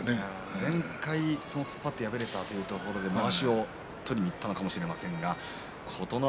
前回突っ張って敗れたということもあってまわしを取りにいったのかもしれません、琴ノ若。